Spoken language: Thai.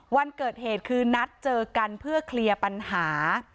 วันเกิดเหตุคือนัดเจอกันเพื่อเคลียร์ปัญหา